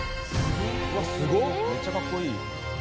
めっちゃかっこいい。